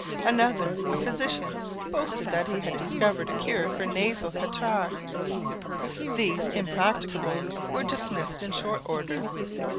Another, a physician, boasted that he had discovered a cure for nasal catarrh! These impracticables were dismissed in short order.